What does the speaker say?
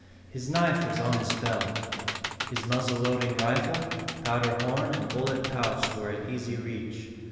His knife was on his belt. His muzzle loading rifle, powder horn, and bullet pouch were in easy reach.